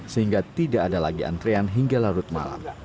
sehingga tidak ada lagi antrian hingga larut malam